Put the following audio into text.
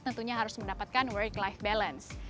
tentunya harus mendapatkan work life balance